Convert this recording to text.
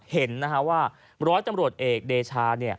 เห็นนะครับว่าร้อยตำรวจเอกเดชา